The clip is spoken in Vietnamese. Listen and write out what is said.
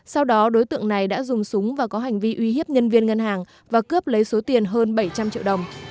sau đó đối tượng này đã dùng súng và có hành vi uy hiếp nhân viên ngân hàng và cướp lấy số tiền hơn bảy trăm linh triệu đồng